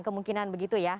kemungkinan begitu ya